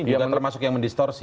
juga termasuk yang mendistorsi